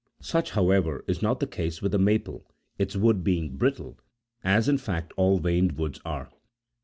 Such, however, is not the case with the maple, its wood being brittle, as, in fact, all veined woods are.